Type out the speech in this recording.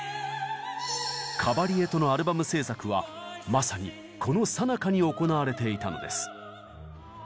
カバリエとのアルバム制作はまさにこのさなかに行われていたのです。